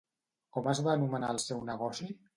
Com es va anomenar el seu negoci?